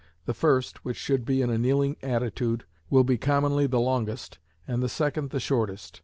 The first, which should be in a kneeling attitude, will commonly be the longest, and the second the shortest.